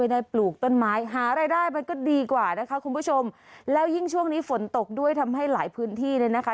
ได้ปลูกต้นไม้หารายได้มันก็ดีกว่านะคะคุณผู้ชมแล้วยิ่งช่วงนี้ฝนตกด้วยทำให้หลายพื้นที่เนี่ยนะคะ